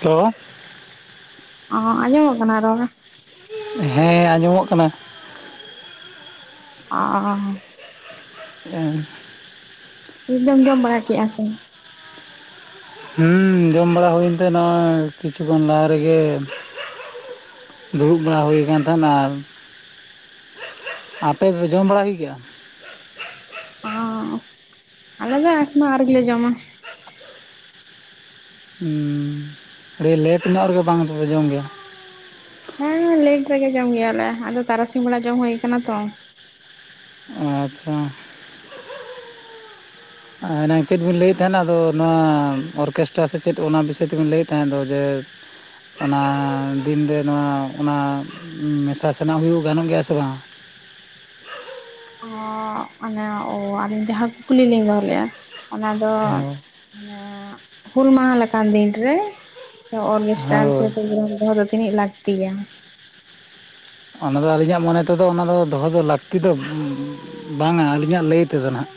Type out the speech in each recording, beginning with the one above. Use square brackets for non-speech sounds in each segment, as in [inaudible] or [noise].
ᱛᱚᱻ ᱚᱸ ᱟᱸᱡᱚᱢᱚᱜ ᱠᱟᱱᱟ ᱨᱚᱲ᱾ ᱦᱮᱸ ᱟᱸᱡᱚᱢᱚᱜ ᱠᱟᱱᱟ᱾ ᱚᱸᱻ ᱩᱸ ᱱᱤᱛ ᱫᱚᱢ ᱡᱚᱢ ᱵᱟᱲᱟ ᱠᱮᱜᱼᱟ ᱥᱮ? ᱦᱩᱸᱻ ᱡᱚᱢ ᱵᱟᱲᱟ ᱦᱩᱭᱮᱱ ᱛᱮ ᱱᱚᱜ ᱚᱭ ᱠᱤᱪᱷᱩ ᱜᱟᱱ ᱞᱟᱦᱟ ᱨᱮᱜᱮ ᱫᱩᱲᱩᱵ ᱵᱟᱲᱟ ᱦᱩᱭ ᱠᱟᱱ ᱛᱟᱦᱮᱱᱟ, ᱟᱨ ᱟᱯᱮ ᱯᱮ ᱡᱚᱢ ᱵᱟᱲᱟ ᱠᱮᱜ ᱜᱮᱭᱟ? ᱚᱸ ᱟᱞᱮ ᱫᱚ ᱮᱠᱱᱳ ᱟᱣᱨᱤ ᱞᱮ ᱡᱚᱢᱟ᱾ ᱦᱩᱸᱻ ᱟᱹᱰᱤ ᱞᱮᱴ ᱧᱚᱜ ᱨᱮᱜᱮ ᱵᱟᱝ ᱫᱚ ᱯᱮ ᱡᱚᱢ ᱜᱮᱭᱟ᱾ ᱦᱮᱸ ᱞᱮᱴ ᱨᱮᱜᱮ ᱡᱚᱢ ᱜᱮᱭᱟᱞᱮ, ᱟᱫᱚ ᱛᱟᱨᱟᱥᱤᱧ ᱵᱮᱲᱟ ᱡᱚᱢ ᱦᱩᱭ ᱟᱠᱟᱱᱟ ᱛᱚ᱾ ᱟᱻᱪᱷᱟ ᱟᱸ ᱮᱱᱟᱝ ᱪᱮᱫ ᱵᱤᱱ ᱞᱟᱹᱭᱮᱫ ᱛᱟᱦᱮᱱᱟ ᱟᱫᱚ ᱱᱚᱣᱟ ᱚᱨᱠᱮᱥᱴᱟᱨ ᱥᱮ ᱪᱮᱫ ᱚᱱᱟ ᱵᱤᱥᱚᱭ ᱛᱮᱵᱤᱱ ᱞᱟᱹᱭᱮᱫ ᱛᱟᱦᱮᱫ ᱫᱚ ᱡᱮ ᱚᱱᱟ ᱫᱤᱱ ᱨᱮ ᱱᱚᱣᱟ ᱚᱱᱟ ᱢᱮᱥᱟ ᱥᱮᱱᱟ ᱦᱩᱭᱩᱜ ᱜᱟᱱᱚᱜ ᱜᱮᱭᱟ ᱥᱮ ᱵᱟᱝᱟ? ᱚᱻ ᱚᱱᱮ ᱚ ᱟᱹᱞᱤᱧ ᱡᱟᱦᱟᱸ ᱠᱩᱠᱞᱤ ᱞᱤᱧ ᱫᱚᱦᱚ ᱞᱮᱫᱼᱟ ᱚᱱᱟ ᱫᱚ ᱚᱱᱮ ᱦᱩᱞ ᱢᱟᱦᱟ ᱞᱮᱠᱟᱱ ᱫᱤᱱ ᱨᱮ ᱛᱚ ᱚᱨᱜᱮᱥᱴᱟᱨ ᱥᱮ ᱦᱳᱭ ᱯᱨᱳᱜᱨᱟᱢ ᱫᱚᱦᱚ ᱫᱚ ᱛᱤᱱᱟᱹᱜ ᱞᱟᱹᱠᱛᱤᱭᱟ? ᱚᱱᱟᱫᱚ ᱟᱹᱞᱤᱧᱟᱜ ᱢᱚᱱᱮ ᱛᱮᱫᱚ ᱚᱱᱟ ᱫᱚ ᱫᱚᱦᱚ ᱫᱚ ᱞᱟᱹᱠᱛᱤ ᱫᱚ, ᱩᱸᱩᱸ ᱵᱟᱝᱟ ᱟᱹᱞᱤᱧᱟᱜ ᱞᱟᱹᱭ ᱛᱮᱫᱚ ᱱᱟᱜᱷ᱾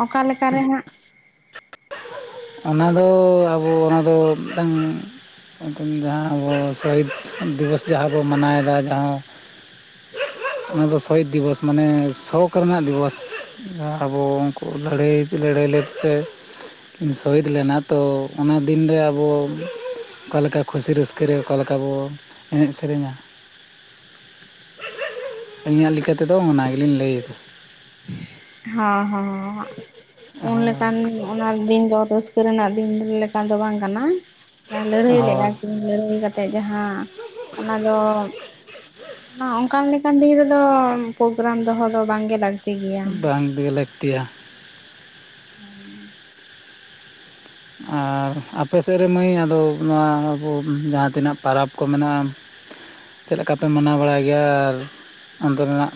ᱚᱸ ᱚᱠᱟ ᱞᱮᱠᱟ ᱨᱮᱦᱟᱸᱜ? ᱚᱱᱟᱫᱚᱻ ᱟᱵᱚ ᱚᱱᱟᱫᱚ ᱢᱤᱫᱴᱟᱝ ᱮᱛᱚᱢ ᱡᱟᱦᱟᱸ ᱟᱵᱚ ᱥᱚᱦᱤᱛ ᱫᱤᱵᱚᱥ ᱡᱟᱸᱦᱟ ᱵᱚ ᱢᱟᱱᱟᱣ ᱮᱫᱟ ᱡᱟᱦᱟᱸᱭ ᱚᱱᱟ ᱫᱚ ᱥᱚᱦᱤᱫ ᱫᱤᱵᱚᱥ ᱢᱟᱱᱮ ᱥᱚᱠ ᱠᱚᱨᱢᱟ ᱫᱤᱵᱚᱥ᱾ ᱡᱟᱦᱟᱸ ᱟᱵᱚ ᱩᱱᱠᱩ ᱞᱟᱹᱲᱦᱟᱹᱭ ᱞᱟᱹᱲᱦᱟᱹᱭ ᱞᱮᱫ ᱛᱮ ᱥᱚᱦᱤᱫ ᱞᱮᱱᱟ ᱛᱳ ᱚᱱᱟ ᱫᱤᱱᱨᱮ ᱟᱵᱚ ᱚᱠᱟ ᱞᱮᱠᱟ ᱠᱷᱩᱥᱤ ᱨᱟᱹᱥᱠᱟᱹ ᱨᱮ ᱚᱠᱟ ᱞᱮᱠᱟ ᱵᱚ ᱮᱱᱮᱡ ᱥᱮᱨᱮᱧᱟ᱾ [unintelligible] ᱟᱹᱞᱤᱧᱟᱜ ᱞᱮᱠᱟ ᱛᱮᱫᱚ ᱚᱱᱟ ᱜᱮᱞᱤᱧ ᱞᱟᱹᱭᱮᱫᱟ᱾ ᱦᱚᱸ ᱦᱚᱸ ᱦᱟᱸᱜ ᱯᱩᱱ ᱦᱳᱭ ᱞᱮᱠᱟᱱ ᱜᱚ ᱚᱱᱟ ᱫᱤᱱ ᱫᱚ ᱨᱟᱹᱥᱠᱟᱹ ᱨᱮᱱᱟᱜ ᱫᱤᱱ ᱞᱮᱠᱟᱱ ᱫᱚ ᱵᱟᱝ ᱠᱟᱱᱟ ᱟᱨ ᱞᱟᱹᱲᱦᱟᱹᱭ ᱞᱮᱼᱟ ᱦᱳᱭ ᱠᱤ ᱞᱟᱹᱲᱦᱟᱹᱭ ᱠᱟᱛᱮᱫ ᱡᱟᱦᱟᱸ ᱚᱱᱟ ᱫᱚ ᱚᱱᱟ ᱚᱱᱠᱟᱱ ᱞᱮᱠᱟᱱ ᱫᱤᱱ ᱨᱮᱫᱚ ᱯᱳᱜᱨᱟᱢ ᱫᱚᱦᱚ ᱫᱚ ᱵᱟᱝ ᱜᱮ ᱞᱟᱜ ᱵᱟᱝ ᱜᱮ ᱞᱟᱹᱠᱛᱤᱭᱟ᱾ ᱦᱩᱸ ᱟᱨ ᱟᱯᱮ ᱥᱮᱫ ᱨᱮ ᱢᱟᱹᱭ ᱟᱫᱚ ᱱᱚᱣᱟ ᱟᱵᱚ ᱡᱟᱦᱟᱸ ᱛᱤᱱᱟᱹᱜ ᱯᱚᱨᱚᱵᱽ ᱠᱚ ᱢᱮᱱᱟᱜ-ᱟ ᱪᱮᱫ ᱞᱮᱠᱟ ᱯᱮ ᱢᱟᱱᱟᱣ ᱵᱟᱲᱟᱭ ᱜᱮᱭᱟ ᱟᱨ ᱚᱱᱛᱮ ᱨᱮᱱᱟᱜ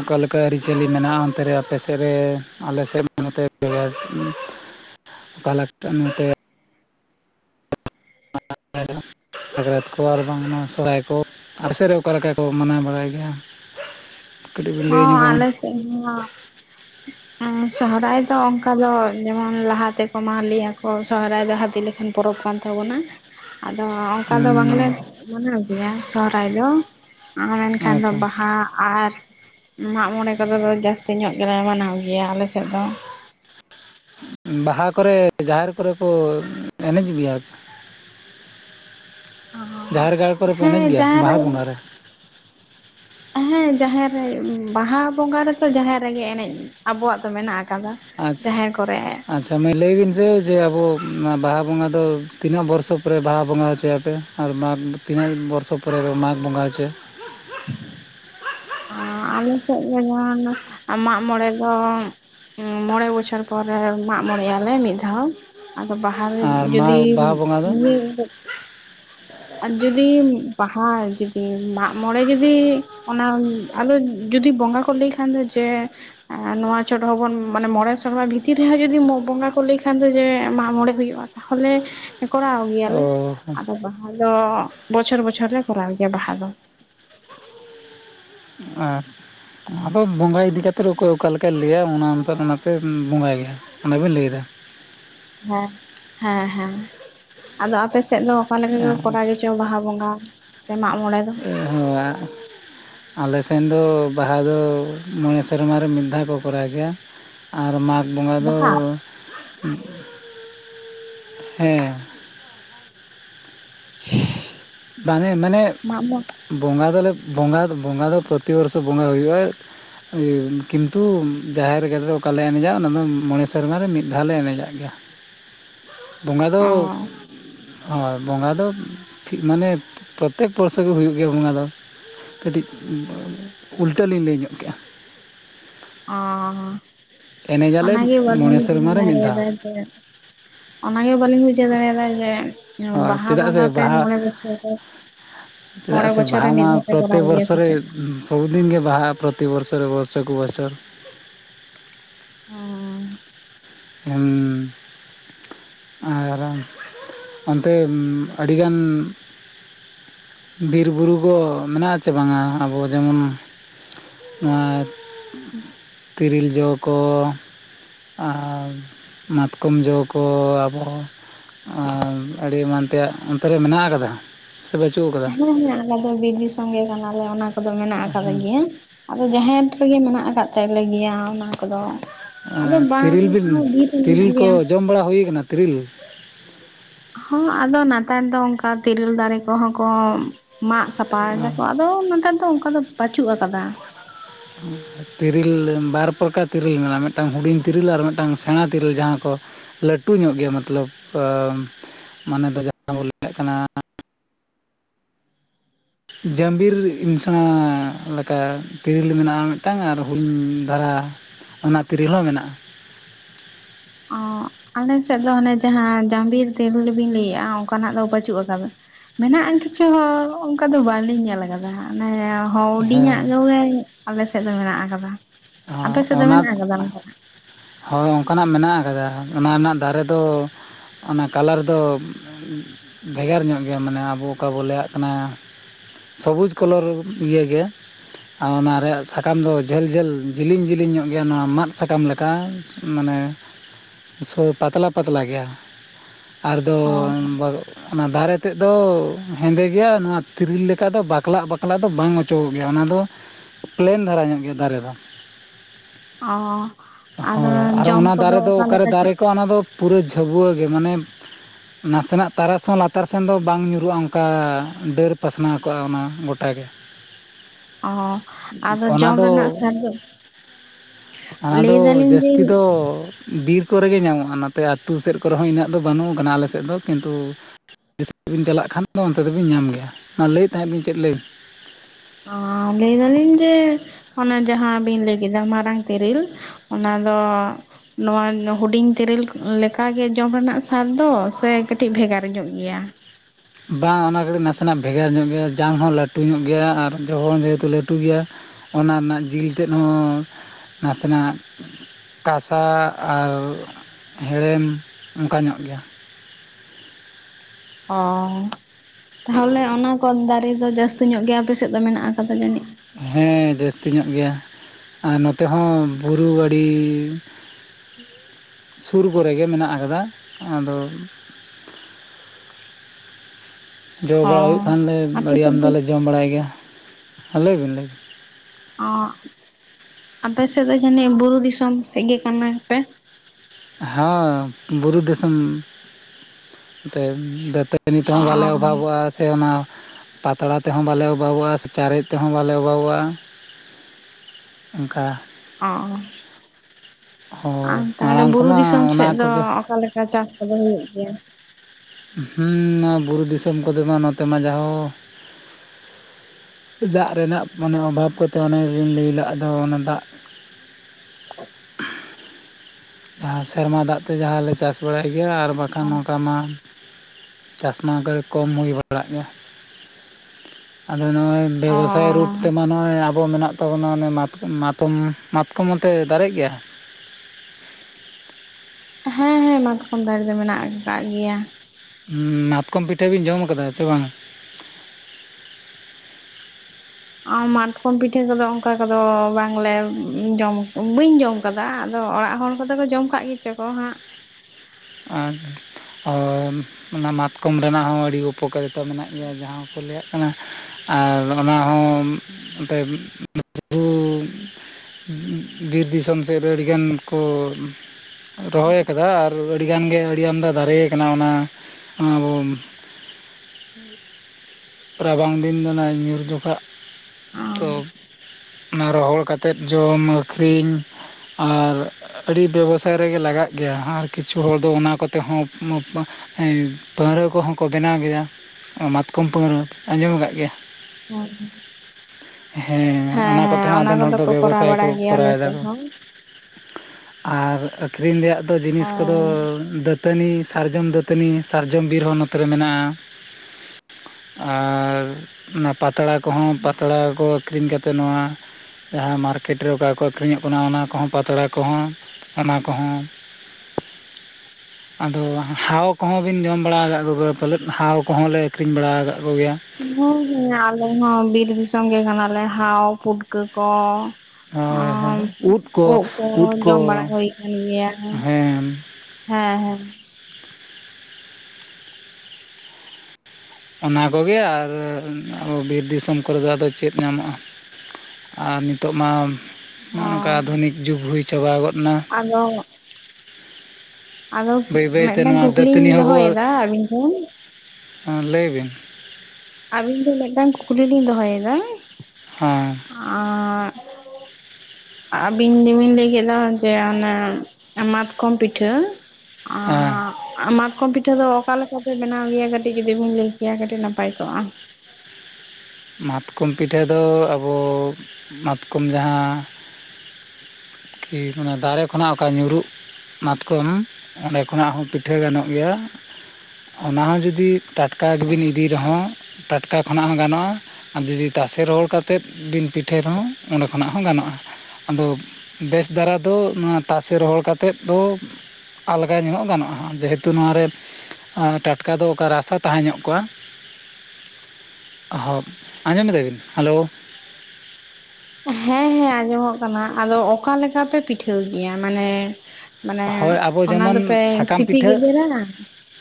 ᱚᱠᱟ ᱞᱮᱠᱟ ᱟᱹᱨᱤ ᱪᱟᱹᱞᱤ ᱢᱮᱱᱟᱜ-ᱟ ᱚᱱᱛᱮ ᱨᱮ ᱟᱯᱮ ᱥᱮᱫ ᱨᱮ, ᱟᱞᱮ ᱥᱮᱫ ᱢᱟ ᱱᱚᱛᱮ [inaudible] ᱚᱠᱟ ᱞᱮᱠᱟ ᱱᱚᱛᱮ ᱥᱟᱠᱨᱟᱛ ᱠᱚ ᱟᱨ ᱵᱟᱝ ᱱᱚᱣᱟ ᱥᱚᱨᱦᱟᱭ ᱠᱚ ᱟᱯᱮ ᱥᱮᱫ ᱨᱮ ᱚᱠᱟ ᱞᱮᱠᱟ ᱠᱚ ᱢᱟᱱᱟᱣ ᱵᱟᱲᱟᱭ ᱜᱮᱭᱟ? ᱠᱟᱹᱴᱤᱡ ᱵᱤᱱ ᱞᱟᱹᱭ ᱦᱚᱸ ᱧᱚᱜᱟ ᱟᱞᱮ ᱥᱮᱫ ᱦᱚᱸ ᱦᱩᱸ ᱥᱚᱦᱚᱨᱟᱭ ᱫᱚ ᱚᱱᱠᱟ ᱫᱚ ᱡᱮᱢᱚᱱ ᱞᱟᱦᱟ ᱛᱮᱠᱚ ᱢᱟᱦᱞᱮ ᱭᱟᱠᱚ ᱥᱚᱦᱚᱨᱟᱭ ᱫᱚ ᱦᱟᱛᱤ ᱞᱮᱠᱷᱟᱱ ᱯᱚᱨᱚᱵᱽ᱾ ᱠᱟᱱ ᱛᱟᱵᱚᱱᱟ ᱟᱫᱚ ᱚᱱᱠᱟ ᱫᱚ ᱵᱟᱝᱞᱮ ᱦᱩᱸ ᱢᱟᱱᱟᱣ ᱜᱮᱭᱟ ᱥᱚᱦᱨᱟᱭ ᱫᱚ᱾ ᱮᱸ ᱢᱮᱱᱠᱷᱟᱱ ᱫᱚ ᱟᱪᱪᱷᱟ ᱵᱟᱦᱟ ᱟᱨ ᱢᱟᱜᱢᱚᱬᱮ ᱠᱚᱫᱚ ᱡᱟᱹᱥᱛᱤ ᱧᱚᱜ ᱜᱮᱞᱮ ᱢᱟᱱᱟᱣ ᱜᱮᱭᱟ ᱟᱞᱮ ᱥᱮᱫ ᱫᱚ᱾ ᱵᱟᱦᱟ ᱠᱚᱨᱮ ᱡᱟᱦᱮᱨ ᱠᱚᱨᱮ ᱠᱚ ᱮᱱᱮᱡ ᱜᱮᱭᱟ? [unintelligible] ᱡᱟᱦᱮᱨ ᱜᱟᱲ ᱠᱚᱨᱮ ᱯᱮ ᱮᱱᱮᱡ ᱦᱮᱸ ᱜᱮᱭᱟ ᱡᱟᱦᱟᱸ ᱵᱟᱦᱟ ᱵᱚᱸᱜᱟ ᱨᱮ? ᱦᱮᱸ ᱡᱟᱦᱮᱨ ᱨᱮ ᱵᱟᱦᱟ ᱵᱚᱸᱜᱟ ᱨᱮᱫᱚ ᱡᱟᱦᱮᱨ ᱨᱮᱜᱮ ᱮᱱᱮᱡ ᱟᱵᱚᱣᱟᱜ ᱫᱚ ᱢᱮᱱᱟᱜ ᱠᱟᱫᱟ ᱟᱪᱪᱷᱟ ᱡᱟᱦᱮᱨ ᱠᱚᱨᱮᱜ᱾ ᱟᱪᱪᱷᱟ ᱢᱟᱹᱭ ᱞᱟᱹᱭ ᱵᱤᱱ ᱥᱮ ᱡᱮ ᱟᱵᱚ ᱚᱱᱟ ᱵᱟᱦᱟ ᱵᱚᱸᱜᱟ ᱫᱚ ᱛᱤᱱᱟᱹᱜ ᱵᱚᱨᱥᱚ ᱯᱚᱨᱮ ᱵᱟᱦᱟ ᱵᱚᱸᱜᱟ ᱦᱚᱪᱚᱭ ᱟᱯᱮ? ᱟᱨ ᱢᱟᱜᱽ ᱛᱤᱱᱟᱹᱜ ᱵᱚᱨᱥᱚᱨ ᱯᱚᱨᱮ ᱢᱟᱜᱽ ᱵᱚᱸᱜᱟ ᱦᱚᱪᱳᱭᱟ? ᱟ ᱟᱞᱮ ᱥᱮᱫ ᱨᱮᱫᱚ ᱢᱟᱜ-ᱢᱚᱬᱮ ᱫᱚ ᱢᱚᱬᱮ ᱵᱚᱪᱷᱚᱨ ᱯᱚᱨᱮ ᱢᱟᱜ ᱢᱚᱬᱮᱜ ᱟᱞᱮ ᱢᱤᱫ ᱫᱷᱟᱣ, ᱟᱫᱚ ᱵᱟᱦᱟ ᱨᱮ ᱟᱨ ᱡᱩᱫᱤ ᱢᱟᱜᱽ ᱵᱟᱦᱟ ᱵᱚᱸᱜᱟ ᱫᱚ [unintelligible] ᱟᱨ ᱡᱩᱫᱤ ᱵᱟᱦᱟ ᱡᱩᱫᱤ ᱢᱟᱜ ᱢᱚᱬᱮ ᱡᱩᱫᱤ ᱚᱱᱟ ᱟᱞᱚ ᱡᱩᱫᱤ ᱵᱚᱸᱜᱟ ᱠᱚ ᱞᱟᱹᱭ ᱠᱷᱟᱱ ᱫᱚ ᱡᱮ ᱟᱨ ᱱᱚᱣᱟ ᱪᱷᱚᱴ ᱦᱚᱵᱚᱱ ᱢᱟᱱᱮ ᱢᱚᱬᱮ ᱥᱮᱨᱢᱟ ᱵᱷᱤᱛᱤᱨ ᱨᱮᱦᱚᱸ ᱡᱩᱫᱤ ᱵᱚᱸᱜᱟ ᱠᱚ ᱞᱟᱹᱭ ᱠᱷᱟᱱ ᱫᱚ ᱡᱮ ᱢᱟᱜ ᱢᱚᱬᱮ ᱦᱩᱭᱩᱜᱼᱟ, ᱛᱟᱦᱚᱞᱮ ᱠᱚᱨᱟᱣ ᱜᱮᱭᱟᱞᱮ ᱚ ᱟᱫᱚ ᱵᱟᱦᱟ ᱫᱚ ᱵᱚᱪᱷᱚᱨ ᱵᱚᱪᱷᱚᱨ ᱞᱮ ᱠᱚᱨᱟᱣ ᱜᱮᱭᱟ ᱵᱟᱦᱟ ᱫᱚ᱾ ᱟᱨ? ᱟᱫᱚ ᱵᱚᱸᱜᱟ ᱤᱫᱤ ᱠᱟᱛᱮᱫ ᱚᱠᱚᱭ ᱚᱠᱟ ᱞᱮᱠᱟᱭ ᱞᱟᱹᱭᱟ ᱚᱱᱟ ᱚᱱᱩᱥᱟᱨ ᱚᱱᱟᱛᱮ ᱵᱚᱸᱜᱟᱭ ᱜᱮᱭᱟ ᱚᱱᱰᱮ ᱵᱤᱱ ᱞᱟᱹᱭ ᱫᱟ᱾ ᱦᱮᱸ ᱦᱮᱸ ᱦᱮᱸ ᱟᱫᱚ ᱟᱯᱮ ᱥᱮᱫ ᱫᱚ ᱯᱟᱞᱮᱱ ᱠᱚ ᱠᱚᱨᱟᱣ ᱟᱪᱪᱷᱟ ᱜᱮᱪᱚ ᱵᱟᱦᱟ ᱵᱚᱸᱜᱟ ᱥᱮ ᱢᱟᱜ ᱢᱚᱬᱮ ᱫᱚ? [inaudible] ᱟᱞᱮ ᱥᱮᱱ ᱫᱚ ᱵᱟᱦᱟ ᱫᱚ ᱢᱚᱬᱮ ᱥᱮᱨᱢᱟ ᱨᱮ ᱢᱤᱫ ᱫᱷᱟᱣ ᱠᱚ ᱠᱚᱨᱟᱣ ᱜᱮᱭᱟ ᱾ ᱟᱨ ᱢᱟᱜᱽ ᱵᱚᱸᱜᱟ ᱫᱚ ᱵᱟᱦᱟ ᱩᱸ ᱦᱮᱸ᱾ [unintelligible] ᱵᱟᱝᱮ ᱢᱟᱱᱮ ᱢᱟᱜ ᱢᱚ ᱵᱚᱸᱜᱟ ᱫᱚᱞᱮ ᱵᱚᱸᱜᱟ ᱵᱚᱸᱜᱟ ᱫᱚ ᱯᱨᱚᱛᱤ ᱵᱚᱨᱥᱚ ᱵᱚᱸᱜᱟ ᱦᱩᱭᱩᱜᱼᱟ ᱾ ᱤᱭᱟᱹ ᱠᱤᱱᱛᱩ ᱡᱟᱦᱮᱨ ᱜᱟᱲ ᱨᱮ ᱚᱠᱟ ᱞᱮ ᱮᱱᱮᱡᱟ ᱚᱱᱟ ᱫᱚ ᱢᱚᱬᱮ ᱥᱮᱨᱢᱟ ᱨᱮ ᱢᱤᱫ ᱫᱷᱟᱣ ᱞᱮ ᱮᱱᱮᱡᱟᱜ ᱜᱮᱭᱟ ᱾ ᱦ [inaudible] ᱵᱚᱸᱜᱟ ᱫᱚ ᱦᱳᱭ ᱵᱚᱸᱜᱟ ᱫᱚ ᱢᱟᱱᱮ ᱯᱨᱚᱛᱮᱠ ᱵᱚᱨᱥᱚ ᱜᱮ ᱦᱩᱭᱩᱜ ᱜᱮᱭᱟ ᱵᱚᱸᱜᱟ ᱫᱚ᱾ ᱠᱟᱹᱴᱤᱡ ᱩᱞᱴᱟᱹ ᱞᱤᱧ ᱞᱟᱹᱭ ᱧᱚᱜ ᱠᱮᱜᱼᱟ ᱾ ᱚ ᱮᱱᱮᱡᱟᱞᱮ ᱚᱱᱟ ᱜᱮ ᱵᱟᱞᱤᱧ ᱢᱚᱬᱮ ᱥᱮᱨᱢᱟ ᱵᱩᱡᱷᱟᱣ ᱨᱮ ᱫᱟᱲᱮ ᱢᱤᱫ ᱫᱷᱟᱣ ᱭᱟᱫᱟ ᱮᱱᱛᱮ᱾ ᱚᱱᱟ ᱜᱮ ᱵᱟᱹᱞᱤᱧ ᱵᱩᱡᱷᱟᱹᱣ ᱫᱟᱲᱮ ᱭᱟᱫᱟ ᱡᱮ ᱦᱳᱭ ᱵᱟᱦᱟ ᱪᱮᱫᱟᱜ ᱵᱚᱸᱜᱟ ᱥᱮ ᱯᱮ ᱵᱟᱦᱟ ᱢᱚᱬᱮ ᱵᱚᱪᱷᱚᱨ ᱨᱮ ᱢᱚᱬᱮ ᱪᱮᱫᱟᱜ ᱥᱮ ᱵᱚᱪᱷᱚᱨ ᱵᱟᱦᱟ ᱨᱮ ᱢᱟ ᱢᱤᱫ ᱫᱷᱟᱣ ᱯᱮ ᱯᱨᱚᱛᱮ ᱠᱚᱨᱟᱣ ᱜᱮᱭᱟ ᱵᱚᱨᱥᱚ ᱥᱮ ᱨᱮ ᱪᱮᱫ? [unintelligible] ᱫᱤᱱ ᱜᱮ ᱵᱟᱦᱟ ᱯᱨᱚᱛᱤ ᱵᱚᱨᱥᱚ ᱨᱮ ᱵᱚᱨᱥᱚ ᱠᱚ ᱵᱚᱥᱚᱨ᱾ ᱦᱳᱭ᱾ ᱮᱢ ᱟᱨ ᱚᱱᱛᱮᱢ ᱟᱰᱤᱜᱟᱱ ᱵᱤᱨ ᱵᱩᱨᱩ ᱠᱚ ᱢᱮᱱᱟᱜᱼᱟᱪᱮ ᱵᱟᱝᱟ ᱟᱵᱚ ᱡᱮᱢᱚᱱ ᱱᱚᱣᱟ ᱛᱤᱨᱤᱞ ᱡᱚ ᱠᱚ ᱟᱨ ᱢᱟᱛᱠᱚᱢ ᱡᱚ ᱠᱚ ᱟᱵᱚ ᱟ ᱟᱹᱰᱤ ᱮᱢᱟᱱ ᱛᱮᱭᱟᱜ ᱚᱱᱛᱮ ᱨᱮ ᱢᱮᱱᱟᱜ ᱟ ᱠᱟᱫᱟ ᱥᱮ ᱵᱟᱹᱪᱩᱜ ᱠᱟᱫᱟ? ᱦᱮᱸᱱᱟᱜ ᱠᱟᱫᱟ ᱵᱤᱨ ᱫᱤᱥᱚᱢ ᱜᱮ ᱠᱟᱱᱟᱞᱮ ᱚᱱᱟ ᱠᱚᱫᱚ ᱢᱮᱱᱟᱜ ᱠᱟᱫ ᱜᱮᱭᱟ, ᱟᱫᱚ ᱡᱟᱸᱦᱮᱴ ᱨᱮᱜᱮ ᱢᱮᱱᱟᱜ ᱠᱟᱫ ᱛᱟᱞᱮ ᱜᱮᱭᱟ ᱚᱱᱟ ᱠᱚᱫᱚ᱾ ᱟᱫᱚ ᱵᱟᱝ ᱛᱤᱨᱤᱞ ᱵᱤᱞ ᱦᱚᱸ ᱵᱤᱨ ᱨᱮ ᱛᱤᱨᱤᱞ ᱢᱮᱱᱟᱜ ᱠᱚ ᱜᱮᱭᱟ᱾ ᱡᱚᱢ ᱵᱟᱲᱟ ᱦᱩᱭ ᱠᱟᱱᱟ ᱛᱤᱨᱤᱞ? ᱦᱚᱸ ᱟᱫᱚ ᱱᱟᱛᱟᱨ ᱫᱚ ᱚᱝᱠᱟ ᱛᱮᱤᱨᱞ ᱫᱟᱨᱮ ᱠᱚᱦᱚᱸ ᱠᱚ ᱢᱟᱜ ᱥᱟᱯᱟᱭ ᱫᱟᱠᱚ ᱫᱚ ᱱᱮᱛᱟᱨ ᱫᱚ ᱚᱱᱠᱟ ᱫᱚ ᱯᱟᱹᱪᱩᱜ ᱟᱠᱟᱫᱼᱟ᱾ ᱛᱤᱨᱤᱞ ᱵᱟᱨ ᱯᱨᱚᱠᱟᱨ ᱛᱤᱨᱤᱞ ᱢᱮᱱᱟᱜᱼᱟ ᱢᱮᱫᱴᱟᱝ ᱦᱩᱰᱤᱧ ᱛᱤᱨᱤᱞ ᱟᱨ ᱢᱮᱫᱴᱟᱝ ᱥᱮᱸᱬᱟ ᱛᱤᱨᱤᱞ ᱡᱟᱦᱟᱸ ᱠᱚ ᱞᱟᱹᱴᱩ ᱧᱚᱜ ᱜᱮᱭᱟ ᱢᱟᱛᱞᱚᱵ ᱟᱢᱻ ᱢᱟᱱᱮ ᱫᱚ ᱡᱟ ᱵᱚ ᱞᱟᱹᱭ ᱞᱮᱫ ᱠᱟᱱᱟ᱾ ᱡᱟᱹᱵᱤᱨ ᱤᱱᱥᱟᱻ ᱞᱮᱠᱟ ᱛᱤᱨᱤᱞ ᱢᱮᱱᱟᱜᱼᱟ ᱢᱮᱜᱴᱟᱝ ᱟᱨ ᱦᱩᱧ ᱫᱷᱟᱨᱟ ᱚᱱᱟ ᱛᱤᱨᱤᱞ ᱦᱚᱸ ᱢᱮᱱᱟᱜᱼᱟ᱾ ᱚ ᱟᱞᱮ ᱥᱮᱫ ᱫᱚ ᱦᱟᱱᱮ ᱡᱟᱦᱟᱸ ᱡᱟᱸᱵᱤᱨ ᱛᱤᱨᱤᱞ ᱵᱤᱱ ᱞᱮᱭᱮᱫᱼᱟ ᱚᱱᱠᱟᱱᱟᱜ ᱫᱚ ᱯᱟᱹᱪᱩᱜ ᱟᱠᱟᱫᱟ᱾ ᱢᱮᱱᱟᱜᱼᱟ ᱠᱤᱪᱷᱩ ᱦᱚᱸ ᱚᱱᱠᱟ ᱫᱚ ᱵᱟᱞᱤᱧ ᱧᱮᱞ ᱟᱠᱟᱫᱟ ᱚᱱᱮ ᱦᱚᱸ ᱦᱩᱰᱤᱧᱟᱜ ᱦᱮᱸ ᱜᱚᱜᱮ ᱟᱞᱮ ᱥᱮᱫ ᱫᱚ ᱢᱮᱱᱟᱜ ᱟᱠᱟᱫᱟ ᱟᱯᱮ ᱥᱮᱫ ᱫᱚ ᱢᱮᱱᱟᱜ ᱟᱠᱟᱫᱟ ᱚᱱᱠᱟ ᱦᱳ ᱚᱱᱠᱟᱱᱟᱜ ᱢᱮᱱᱟᱜ ᱟᱠᱟᱫᱟ ᱚᱱᱟ ᱨᱮᱱᱟᱜ ᱫᱟᱨᱮ ᱫᱚ ᱚᱱᱟ ᱠᱟᱞᱟᱨ ᱫᱚ ᱵᱷᱮᱜᱟᱨ ᱧᱚᱜ ᱜᱮᱭᱟ ᱢᱟᱱᱮ ᱟᱵᱚ ᱚᱠᱟ ᱵᱚ ᱞᱮᱭᱟᱫ ᱠᱟᱱᱟ᱾ ᱥᱚᱵᱩᱡᱽ ᱠᱚᱞᱚᱨ ᱭᱮ ᱜᱮ- ᱟ ᱚᱱᱟ ᱨᱮᱭᱟᱜ ᱥᱟᱠᱟᱢ ᱫᱚ ᱡᱷᱟᱹᱞ ᱡᱷᱟᱹᱞ ᱡᱤᱞᱤᱧ ᱡᱤᱞᱤᱧ ᱧᱚᱜ ᱜᱮᱭᱟ ᱱᱚᱣᱟ ᱢᱟᱫ ᱥᱟᱠᱟᱢ ᱞᱮᱠᱟ ᱢᱟᱱᱮ ᱥᱳ ᱯᱟᱛᱞᱟ ᱯᱟᱛᱞᱟ ᱜᱮᱭᱟ ᱟᱨᱫᱚ ᱚ ᱚᱱᱟ ᱫᱟᱨᱮ ᱛᱮᱫ ᱫᱚ ᱦᱮᱸᱫᱮ ᱜᱮᱭᱟ ᱱᱚᱣᱟ ᱛᱤᱨᱤᱞ ᱞᱮᱠᱟ ᱫᱚ ᱵᱟᱠᱞᱟᱜ ᱵᱟᱠᱞᱟᱜ ᱫᱚ ᱵᱟᱝ ᱚᱪ ᱚᱪᱚᱜ ᱜᱮᱭᱟ ᱚᱱᱟ ᱫᱚ ᱯᱞᱮᱱ ᱫᱷᱟᱨᱟ ᱧᱚᱜ ᱜᱮᱭᱟ ᱫᱟᱨᱮ ᱫᱚ ᱚ ᱟᱫᱚ ᱦᱚᱸ ᱟᱨᱚ ᱡᱚᱢ ᱚᱱᱟ ᱠᱚᱫᱚ ᱫᱟᱨᱮ ᱫᱚ ᱚᱠᱟ ᱚᱠᱟᱨᱮ ᱞᱮᱠᱟ ᱫᱟᱨᱮ ᱪᱮᱫ ᱠᱚᱼᱟ ᱚᱱᱟ ᱫᱚ ᱯᱩᱨᱟᱹ ᱡᱷᱟᱹᱜᱩᱭᱟᱹ ᱜᱮ ᱢᱟᱱᱮ ᱱᱟᱥᱮᱱᱟᱜ ᱛᱟᱨᱟᱥ ᱦᱚᱸ ᱞᱟᱛᱟᱨ ᱥᱮᱱ ᱫᱚ ᱵᱟᱝ ᱧᱩᱨᱩᱜᱼᱟ ᱚᱱᱠᱟ ᱰᱟᱹᱨ ᱯᱟᱥᱱᱟᱠᱚᱜᱼᱟ ᱚᱱᱟ ᱜᱚᱴᱟᱜᱮ ᱚ ᱟᱫᱚ ᱚᱱᱟ ᱡᱚᱢ ᱫᱚ ᱨᱮᱱᱟᱜ ᱥᱟᱫ ᱫᱚ ᱞᱮᱹᱭ ᱫᱟᱹᱞᱤᱧ ᱡᱮ ᱚᱻ ᱵᱤᱨ ᱠᱚᱨᱮ ᱜᱮ ᱧᱟᱢᱚᱜᱼᱟ ᱱᱟᱛᱮ ᱟᱛᱩ ᱥᱮᱫ ᱠᱚᱨᱮ ᱦᱚᱸ ᱤᱱᱟᱹᱜ ᱫᱚ ᱵᱟᱹᱱᱩᱜ ᱟ ᱠᱟᱱᱟ ᱟᱞᱮ ᱥᱮᱫ ᱫᱚ ᱠᱤᱱᱛᱩ [unintelligible] ᱵᱤᱱ ᱪᱟᱞᱟᱜ ᱠᱷᱟᱱ ᱫᱚ ᱚᱱᱛᱮ ᱫᱚᱵᱤᱱ ᱧᱟᱢ ᱜᱮᱭᱟ ᱢᱟ ᱞᱟᱹᱭ ᱛᱟᱦᱮᱸᱫ ᱵᱤᱱ ᱪᱮᱫ ᱞᱟᱹᱭ ᱵᱤᱱ ᱚᱸ ᱞᱟᱹᱭ ᱫᱟᱹᱞᱤᱧ ᱡᱮ ᱚᱱᱮ ᱡᱟᱦᱟᱸ ᱵᱤᱱ ᱞᱟᱹᱭ ᱠᱮᱫᱟ ᱢᱟᱨᱟᱝ ᱛᱮᱨᱮᱞ ᱚᱱᱟ ᱫᱚ ᱱᱚᱣᱟ ᱦᱩᱰᱤᱧ ᱛᱮᱨᱮᱞ ᱞᱮᱠᱟ ᱜᱮ ᱡᱚᱢ ᱨᱮᱱᱟᱜ ᱥᱟᱫ ᱫᱚ ᱥᱮ ᱠᱟᱹᱴᱤᱡ ᱵᱷᱮᱜᱟᱨ ᱧᱚᱜ ᱜᱮᱭᱟ ᱵᱟᱝ ᱚᱱᱟ ᱠᱚᱫᱚ ᱱᱟᱥᱮ ᱱᱟᱜ ᱵᱷᱮᱜᱟᱨ ᱧᱚᱜ ᱜᱮᱭᱟ ᱡᱟᱝ ᱦᱚᱸ ᱞᱟᱹᱴᱩ ᱧᱚᱜ ᱜᱮᱭᱟ ᱟᱨ ᱡᱚ ᱦᱚᱸ ᱡᱮᱦᱮᱛᱩ ᱞᱟᱹᱴᱩ ᱜᱮᱭᱟ ᱚᱱᱟ ᱨᱮᱱᱟᱜ ᱡᱤᱞ ᱛᱮᱫ ᱦᱚᱸ ᱱᱟᱥᱮᱱᱟᱜ ᱠᱟᱥᱟ ᱟᱨ ᱦᱮᱲᱮᱢ ᱚᱝᱠᱟ ᱧᱚᱜ ᱜᱮᱭᱟ ᱚᱸ ᱛᱟᱦᱚᱞᱮ ᱚᱱᱟ ᱠᱚ ᱫᱟᱨᱮ ᱫᱚ ᱡᱟᱹᱥᱛᱤ ᱧᱚᱜ ᱜᱮ ᱟᱯᱮᱥᱮᱫ ᱫᱚ ᱢᱮᱱᱟᱜ ᱟᱠᱟᱫᱟ ᱡᱟᱹᱱᱤᱡ- ᱦᱮᱸ ᱡᱟᱹᱥᱛᱤ ᱧᱚᱜ ᱜᱮᱭᱟ ᱟᱨ ᱱᱚᱛᱮ ᱦᱚᱸ ᱵᱩᱨᱩ ᱜᱟᱹᱰᱤᱻ [unintelligible] ᱥᱩᱨ ᱠᱚᱨᱮ ᱜᱮ ᱢᱮᱱᱟᱜ ᱟᱠᱟᱫᱟ ᱟᱫᱚ ᱡᱚ ᱵᱟᱲᱟ ᱦᱩᱭᱩᱜ ᱚ ᱠᱷᱟᱱᱞᱮ ᱟᱯᱮ ᱟᱹᱰᱤ ᱥᱮᱫ ᱟᱢᱫᱟ ᱫᱚ ᱞᱮ ᱡᱚᱢ ᱵᱟᱲᱟᱭ ᱜᱮᱭᱟ ᱦᱮ ᱞᱟᱹᱭ ᱵᱤᱱ ᱞᱟᱹᱭ ᱵᱤᱱ ᱚᱜ ᱟᱯᱮ ᱥᱮᱫ ᱫᱚ ᱡᱟᱹᱱᱤᱡ ᱵᱩᱨᱩ ᱫᱤᱥᱚᱢ ᱥᱮ ᱜᱮ ᱠᱟᱱᱟ ᱯᱮ ᱦᱟᱸ ᱵᱩᱨᱩ ᱫᱤᱥᱚᱢ ᱱᱚᱛᱮ ᱫᱟᱹᱛᱟᱹᱱᱤ ᱛᱮᱦᱚᱸ ᱚ ᱵᱟᱞᱮ ᱚᱵᱷᱟᱵᱼᱟ᱾ ᱛᱮ ᱚᱱᱟ ᱯᱟᱛᱲᱟ ᱛᱮᱦᱚᱸ ᱵᱟᱞᱮ ᱚᱵᱷᱟᱵᱼᱟ ᱥᱮ ᱪᱟᱨᱮᱡ ᱛᱮᱦᱚᱸ ᱵᱟᱞᱮ ᱚᱵᱷᱟᱵᱼᱟ᱾ [unintelligible] ᱚᱱᱠᱟ ᱚᱸ ᱟᱨ ᱦᱳᱭ ᱛᱟᱦᱚᱞᱮ ᱢᱟᱲᱟᱝ ᱵᱩᱨᱩ ᱫᱤᱥᱚᱢ ᱠᱚᱢᱟ ᱥᱮᱫ ᱚᱱᱟ ᱫᱚ ᱠᱚᱜᱮ ᱚᱠᱟᱞᱮᱠᱟ᱾ ᱪᱟᱹᱥ ᱠᱚᱫᱚ ᱦᱩᱭᱩᱜ ᱜᱮᱭᱟ ᱦᱩᱸ ᱱᱚᱣᱟ ᱵᱩᱨᱩ ᱫᱤᱥᱚᱢ ᱠᱚᱫᱚ ᱢᱟ ᱱᱚᱛᱮ ᱢᱟ ᱡᱟᱦᱚ ᱫᱟᱜ ᱨᱮᱱᱟᱜ ᱢᱟᱱᱮ ᱚᱵᱷᱟᱵᱽ ᱠᱚᱛᱮ ᱚᱱᱮ ᱵᱤᱱ ᱞᱟᱹᱭ ᱞᱮᱫ ᱫᱚ ᱚᱱᱟ ᱫᱟᱜ ᱡᱟᱦᱟᱸ ᱥᱮᱨᱢᱟ ᱫᱟᱜ ᱛᱮ ᱡᱟᱦᱟᱸ ᱞᱮ ᱪᱟᱥ ᱵᱟᱲᱟᱭ ᱜᱮᱭᱟᱢ, ᱟᱨ ᱵᱟᱠᱷᱟᱱ ᱱᱚᱝᱠᱟ ᱢᱟ ᱪᱟᱥᱢᱟ ᱚᱠᱟᱨᱮ ᱠᱚᱢ ᱦᱩᱭ ᱵᱟᱲᱟᱜ ᱜᱮᱭᱟ᱾ᱟᱫᱚ ᱱᱚᱜᱼᱚᱭ ᱵᱮᱵᱥᱟᱭ ᱨᱩᱯ ᱚ ᱛᱮᱢᱟ ᱱᱚᱜᱼᱚᱭ ᱟᱵᱚ ᱢᱮᱱᱟᱜ ᱛᱟᱵᱚᱱᱟ, ᱚᱱᱮ ᱢᱟᱛ ᱢᱟᱛᱚᱢ ᱢᱟᱛᱠᱚᱢ ᱚᱛᱮ ᱫᱟᱨᱮᱜ ᱜᱮᱭᱟ᱾ ᱦᱮᱸ, ᱦᱮᱸ ᱢᱟᱛᱠᱚᱢ ᱫᱟᱨᱮ ᱫᱚ ᱢᱮᱱᱟᱜ ᱟᱠᱟᱫ ᱜᱮᱭᱟ᱾ ᱢᱟᱛᱠᱚᱢ ᱯᱤᱴᱷᱟᱹ ᱵᱤᱱ ᱡᱚᱢ ᱟᱠᱟᱫᱟ ᱥᱮ ᱵᱟᱝᱼᱟ? ᱢᱟᱛᱠᱚᱢ ᱯᱤᱴᱷᱟᱹ ᱠᱚᱫᱚ ᱚᱱᱠᱟ ᱠᱚᱫᱚ ᱵᱟᱝ ᱞᱮ ᱡᱚᱢ ᱵᱟᱹᱧ ᱡᱚᱢ ᱠᱟᱫᱟ᱾ ᱟᱫᱚ ᱚᱲᱟᱜ ᱦᱚᱲ ᱠᱚᱫᱚ ᱠᱚ ᱡᱚᱢ ᱠᱟᱜ ᱜᱮ ᱪᱚ ᱠᱚ ᱦᱟᱸᱜ᱾ ᱟᱨ ᱚᱱᱟ ᱢᱟᱛᱠᱚᱢ ᱨᱮᱱᱟᱜ ᱦᱚᱸ ᱟᱹᱰᱤ ᱩᱯᱚᱠᱟᱨᱤᱛᱟ ᱢᱮᱱᱟᱜ ᱜᱮᱭᱟ᱾ᱡᱟᱦᱟᱸ ᱠᱚ ᱞᱮᱭᱟᱜ ᱠᱟᱱᱟ, ᱟᱨ ᱚᱱᱟ ᱦᱚᱸ ᱚᱛᱮ ᱵᱩᱨᱩ ᱵᱤᱨ ᱫᱤᱥᱚᱢ ᱥᱮᱫ ᱨᱮ ᱟᱹᱰᱤ ᱜᱟᱱ ᱠᱚ ᱨᱚᱦᱚᱭ ᱟᱠᱟᱫᱟ, ᱟᱨ ᱟᱹᱰᱤ ᱜᱟᱱ ᱜᱮ ᱟᱹᱰᱤ ᱟᱢᱫᱟ ᱫᱟᱨᱮ ᱟᱠᱟᱱᱟ᱾ ᱚᱱᱟ [inaudible] ᱨᱟᱵᱟᱝ ᱫᱤᱱ ᱫᱚ ᱱᱟ ᱧᱩᱨ ᱡᱚᱠᱷᱟ ᱛᱚ᱾ ᱚᱱᱟ ᱨᱚᱦᱚᱲ ᱠᱟᱛᱮᱫ ᱡᱚᱢ ᱟᱹᱠᱷᱨᱤᱧ ᱟᱨ ᱟᱹᱰᱤ ᱵᱮᱵᱚᱥᱟᱭ ᱨᱮᱜᱮ ᱞᱟᱜᱟᱜ ᱜᱮᱭᱟ, ᱟᱨ ᱠᱤᱪᱷᱩ ᱦᱚᱲ ᱫᱚ ᱚᱱᱟ ᱠᱚᱛᱮ ᱦᱚᱸ ᱯᱟᱹᱣᱨᱟᱹ ᱠᱚᱦᱚᱸ ᱠᱚ ᱵᱮᱱᱟᱣ ᱠᱮᱫᱟ᱾ ᱢᱟᱛᱠᱚᱢ ᱯᱟᱹᱣᱨᱟᱹ ᱟᱸᱡᱚᱢ ᱟᱠᱟᱫ ᱜᱮᱭᱟ᱾ ᱦᱮᱸ ᱾ ᱦᱮᱸ ᱚᱱᱟ ᱠᱚᱛᱮ ᱦᱚᱸ ᱟᱫᱚ ᱠᱚᱫᱚ ᱱᱚᱰᱮ ᱠᱚ ᱠᱚᱨᱟᱣ ᱵᱮᱵᱚᱥᱟᱭ ᱠᱚ ᱵᱟᱲᱟᱭ ᱜᱮᱭᱟ ᱟᱞᱮ ᱠᱚᱨᱟᱣ ᱥᱮᱫ ᱫᱟᱠᱚ ᱦᱚᱸ ᱾ ᱟᱨ ᱟᱹᱠᱷᱨᱤᱧ ᱨᱮᱭᱟᱜ ᱫᱚ ᱡᱤᱱᱤᱥ ᱠᱚᱫᱚ ᱫᱟᱹ ᱛᱟᱹᱱᱤ ᱥᱟᱨᱡᱚᱢ ᱫᱟᱹᱛᱟᱹᱱᱤ ᱥᱟᱨᱡᱚᱢ ᱵᱤᱨ ᱦᱚᱸ ᱱᱚᱛᱮ ᱨᱮ ᱢᱮᱱᱟᱜᱼᱟ᱾ ᱟᱨ ᱚᱱᱟ ᱯᱟᱛᱲᱟ ᱠᱚᱦᱚᱸ ᱯᱟᱛᱲᱟ ᱠᱚ ᱟᱹᱠᱷᱨᱤᱧ ᱠᱟᱛᱮᱫ ᱱᱚᱣᱟ ᱡᱟᱦᱟᱸ ᱢᱟᱨᱠᱮᱴ ᱨᱮ ᱚᱠᱟ ᱠᱚ ᱟᱹᱠᱷᱨᱤᱧᱚᱜ ᱠᱟᱱᱟ, ᱚᱱᱟ ᱠᱚᱦᱚᱸ ᱯᱟᱛᱲᱟ ᱠᱚᱦᱚᱸ ᱚᱱᱟ ᱠᱚᱦᱚᱸ [inaudible] ᱟᱫᱚ ᱦᱟᱣ ᱠᱚᱦᱚᱸ ᱵᱤᱱ ᱡᱚᱢ ᱵᱟᱲᱟ ᱟᱠᱟᱫ ᱠᱚᱜᱮᱭᱟ, ᱯᱟᱞᱮᱫ ᱦᱟᱣ ᱠᱚᱦᱚᱸᱞᱮ ᱟᱹᱠᱷᱨᱤᱧ ᱵᱟᱲᱟ ᱟᱠᱟᱫ ᱠᱚᱜᱮᱭᱟ᱾ ᱦᱮᱸ, ᱦᱮᱸ ᱟᱞᱮ ᱦᱚᱸ ᱵᱤᱨ ᱫᱤᱥᱚᱢ ᱜᱮ ᱠᱟᱱᱟ ᱞᱮ, ᱦᱟᱣ ᱯᱩᱴᱠᱟᱹ ᱠᱚ ᱦᱳᱭ ᱦᱳᱭ ᱟᱨ ᱩᱫ ᱩᱫᱽ ᱠᱚ ᱩᱫ ᱡᱚᱢ ᱵᱟᱲᱟ ᱠᱚ ᱦᱩᱭ ᱟᱠᱟᱱ ᱜᱮᱭᱟ᱾ ᱦᱮᱸ, ᱦᱮᱸ ᱾ ᱚᱱᱟ ᱠᱚᱜᱮ ᱟᱨ ᱟᱵᱚ ᱵᱤᱨ ᱫᱤᱥᱚᱢ ᱠᱚᱨᱮ ᱫᱚ ᱟᱫᱚ ᱪᱮᱫ ᱧᱟᱢᱚᱜᱼᱟ ᱾ ᱟᱨ ᱱᱤᱛᱚᱜ ᱢᱟ ᱱᱚᱜᱼ ᱱᱚᱝᱠᱟ ᱦᱚᱸ ᱟᱫᱷᱩᱱᱤᱠ ᱡᱩᱜᱽ ᱦᱩᱭ ᱪᱟᱵᱟ ᱜᱚᱫ ᱱᱟ ᱾ ᱟᱫᱚ ᱟᱫᱚ ᱵᱟᱹᱭ ᱵᱟᱹᱭᱛᱮ ᱢᱤᱫᱴᱮᱱ ᱱᱚᱣᱟ ᱠᱩᱠᱞᱤᱧ ᱫᱚᱦᱚᱭᱮᱫᱟ ᱟᱹᱵᱤᱱ ᱴᱷᱮᱱ ᱦᱮᱸ ᱞᱟᱹᱭ ᱵᱤᱱ ᱟᱵᱤᱱ ᱴᱷᱮᱱ ᱢᱤᱫᱴᱟᱝ ᱠᱩᱠᱞᱤ ᱞᱤᱧ ᱫᱚᱦᱚᱭᱮᱫᱟ ᱾ ᱦᱮᱸ ᱾ [inaudible] ᱟᱹᱵᱤᱱ ᱫᱚᱵᱤᱱ ᱞᱟᱹᱭ ᱠᱮᱫᱟ ᱡᱮ ᱚᱱᱮ ᱢᱟᱛᱠᱚᱢ ᱯᱤᱴᱷᱟᱹ ᱦᱮᱸ [inaudible] ᱢᱟᱛᱠᱚᱢ ᱯᱤᱴᱷᱟᱹ ᱫᱚ ᱚᱠᱟ ᱞᱮᱠᱟ ᱯᱮ ᱵᱮᱱᱟᱣ ᱜᱮᱭᱟ, ᱠᱟᱹᱴᱤᱡ ᱡᱩᱫᱤ ᱵᱤᱱ ᱞᱟᱹᱭ ᱠᱮᱭᱟ ᱠᱟᱹᱴᱤᱡ ᱱᱟᱯᱟᱭ ᱠᱚᱜᱼᱟ᱾ ᱢᱟᱛᱠᱚᱢ ᱯᱤᱴᱷᱟᱹ ᱫᱚ ᱟᱵᱚ ᱢᱟᱛᱠᱚᱢ ᱡᱟᱦᱟᱸ ᱠᱤ ᱚᱱᱟ ᱫᱟᱨᱮ ᱠᱷᱚᱱᱟᱜ ᱚᱠᱟ ᱧᱩᱨᱩᱜ ᱢᱟᱛᱠᱚᱢ ᱚᱸᱰᱮ ᱠᱷᱚᱱᱟᱜ ᱦᱚᱸ ᱯᱤᱴᱷᱟᱹ ᱜᱟᱱᱚᱜ ᱜᱮᱭᱟ ᱾ ᱚᱱᱟ ᱦᱚᱸ ᱡᱩᱫᱤ ᱴᱟᱴᱠᱟ ᱜᱮᱵᱤᱱ ᱤᱫᱤ ᱨᱮᱦᱚᱸ ᱴᱟᱴᱠᱟ ᱠᱷᱚᱱᱟᱜ ᱦᱚᱸ ᱜᱟᱱᱚᱜᱼᱟ᱾ ᱟᱨ ᱡᱩᱫᱤ ᱛᱟᱥᱮ ᱨᱚᱦᱚᱲ ᱠᱟᱛᱮᱫ ᱵᱤᱱ ᱯᱤᱴᱷᱟᱹᱭ ᱨᱮᱦᱚᱸ ᱚᱸᱰᱮ ᱠᱷᱚᱱᱟᱜ ᱦᱚᱸ ᱜᱟᱱᱚᱜᱼᱟ᱾ ᱟᱫᱚ ᱵᱮᱥ ᱫᱷᱟᱨᱟ ᱫᱚ, ᱱᱚᱣᱟ ᱛᱟᱥᱮ ᱨᱚᱦᱚᱲ ᱠᱟᱛᱮᱫ ᱫᱚ ᱟᱞᱜᱟ ᱧᱚᱦᱚᱜ ᱜᱟᱱᱚᱜᱼᱟ ᱡᱮᱦᱮᱛᱩ ᱱᱚᱣᱟᱨᱮ ᱟᱨ ᱴᱟᱴᱠᱟ ᱫᱚ ᱚᱠᱟ ᱨᱟᱥᱟ ᱛᱟᱦᱮᱸ ᱧᱚᱜ ᱠᱚᱣᱟ ᱦᱚᱸᱯ ᱟᱸᱡᱚᱢᱮᱫᱟ ᱵᱤᱱ ᱦᱟᱞᱳ? ᱦᱮᱸ ᱦᱮᱸ ᱟᱸᱡᱚᱢᱚᱜ ᱠᱟᱱᱟ᱾ ᱟᱫᱚ ᱚᱠᱟ ᱞᱮᱠᱟ ᱯᱮ ᱯᱤᱴᱷᱟᱹ ᱜᱮᱭᱟ ᱢᱟᱱᱮ ᱢᱟᱱᱮ ᱦᱳᱭ ᱟᱵᱚ ᱚᱱᱟ ᱫᱚᱯᱮ ᱡᱮᱢᱚᱱ ᱥᱟᱠᱟᱢ ᱥᱤᱯᱤ ᱯᱤᱴᱷᱟᱹ ᱜᱮᱡᱮᱨᱟ?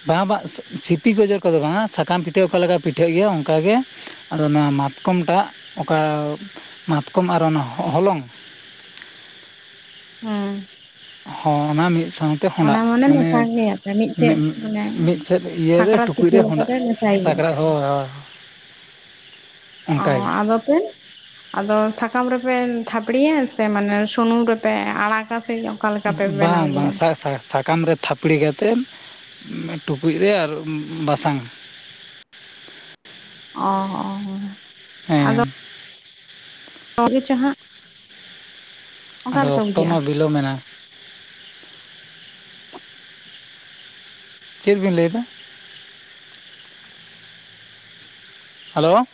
ᱵᱟᱝ ᱵᱟ ᱥᱤᱯᱤ ᱜᱮᱡᱮᱨ ᱠᱚᱫᱚ ᱵᱟᱝᱟ, ᱥᱟᱠᱟᱢ ᱯᱤᱴᱷᱟᱹ ᱚᱠᱟ ᱞᱮᱠᱟ ᱯᱤᱴᱷᱟᱹᱜ ᱜᱮᱭᱟ ᱚᱱᱹᱝᱠᱟ ᱜᱮ᱾ ᱟᱫᱚ ᱚᱱᱟ ᱢᱟᱛᱠᱚᱢᱴᱟᱜ ᱚᱠᱟ ᱢᱟᱛᱠᱚᱢ ᱟᱨ ᱚᱱᱟ ᱦᱚ ᱦᱚᱞᱚᱝ ᱦᱮᱸ, ᱦᱚᱸ ᱚᱱᱟ ᱢᱤᱜ ᱥᱟᱶ ᱛᱮ ᱚᱱᱟ ᱦᱚᱸᱰᱟᱜ ᱢᱟᱱᱮ ᱢᱮᱥᱟ ᱜᱮᱭᱟ ᱯᱮ ᱢᱤᱫᱴᱷᱮᱡ ᱢᱟᱱᱮ ᱢᱤᱫ ᱥᱮᱫ ᱤᱭᱟᱹᱨᱮ ᱥᱟᱠᱨᱟᱛ ᱴᱩᱠᱩᱡ ᱯᱤᱴᱷᱟᱹ ᱨᱮ ᱦᱚᱸᱰᱟᱜ᱾ ᱥᱟᱠᱨᱟᱛ ᱦᱚᱸ ᱦᱳᱭ᱾ ᱚᱱᱠᱟ ᱚᱸ ᱜᱮ ᱟᱫᱚᱯᱮᱱ ᱟᱫᱚ ᱥᱟᱠᱟᱢ ᱨᱮᱯᱮ ᱛᱷᱟᱯᱲᱤᱩᱟ ᱥᱮ ᱢᱟᱱᱮ ᱥᱩᱱᱩᱢ ᱨᱮᱯᱮ ᱟᱲᱟᱜ ᱜᱟ ᱥᱮ ᱚᱠᱟ ᱞᱮᱠᱟ ᱯᱮ ᱵᱮᱱᱟᱣ ᱵᱟᱝ ᱵᱟᱝ ᱜᱮᱭᱟ? ᱥᱟ ᱥᱟᱠᱟᱢ ᱨᱮ ᱛᱷᱟᱯᱲᱮᱹᱤ ᱠᱟᱛᱮᱱ ᱚᱱᱮ ᱴᱩᱠᱩᱡ ᱨᱮ ᱟᱨᱚ ᱵᱟᱥᱟᱝ᱾ ᱚᱸ ᱚᱸ᱾ ᱦᱮᱸ, ᱟᱜᱮ ᱪᱚ ᱦᱟᱸᱜ ᱚᱠᱟ ᱟᱫᱚ ᱞᱮᱠᱟ ᱚᱠᱛᱚ ᱢᱟ ᱵᱩᱡᱷᱟᱹᱜᱼᱟ? ᱵᱤᱞᱚᱢᱮᱱᱟ ᱪᱮᱜ ᱵᱤᱱ ᱞᱟᱹᱭ ᱫᱟ? ᱦᱟᱞᱳ